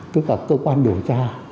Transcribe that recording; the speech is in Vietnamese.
tức là cơ quan điều tra